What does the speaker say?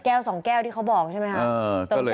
แก้วสองแก้วที่เขาบอกใช่มั้ยฮะ